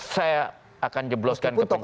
saya akan jebloskan ke publik